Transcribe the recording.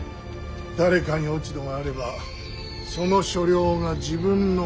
誰かに落ち度があればその所領が自分のものになる。